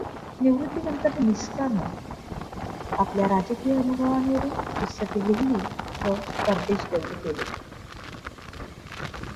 निवॄत्तीनंतर निक्सनाने आपल्या राजकीय अनुभवांवरून पुस्तके लिहिली व परदेश दौरे केले.